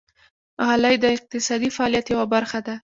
غالۍ د اقتصادي فعالیت یوه برخه ده.